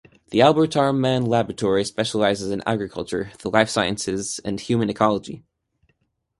The Albert R. Mann Library specializes in agriculture, the life sciences, and human ecology.